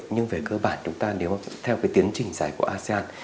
nhưng về cơ bản chúng ta nếu theo cái tiến trình giải của asean